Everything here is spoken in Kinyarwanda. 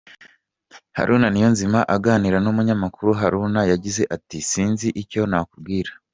Haruna Niyonzima aganira n’umunyamakuru, Haruna yagize ati : “Sinzi icyo nakubwira.